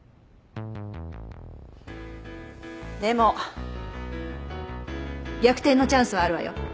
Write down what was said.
でも逆転のチャンスはあるわよ。